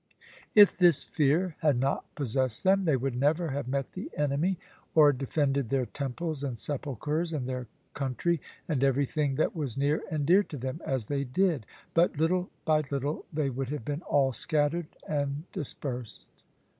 If this fear had not possessed them, they would never have met the enemy, or defended their temples and sepulchres and their country, and everything that was near and dear to them, as they did; but little by little they would have been all scattered and dispersed.